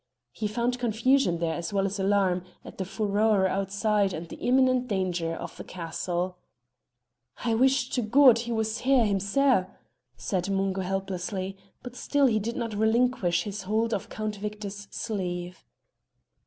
He found confusion there as well as alarm at the furore outside and the imminent danger of the castle. "I wish to God he was here himser," said Mungo helplessly, but still he did not relinquish his hold of Count Victor's sleeve.